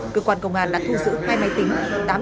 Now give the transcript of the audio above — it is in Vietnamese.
cơ quan công an đã thu giữ hai máy tính